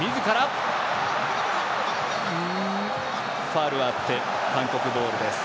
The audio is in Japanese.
ファウルがあって韓国ボールです。